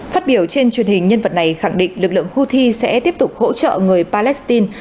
phát biểu trên truyền hình nhân vật này khẳng định lực lượng houthi sẽ tiếp tục hỗ trợ người palestine